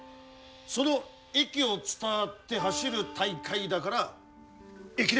その駅を伝って走る大会だから駅伝。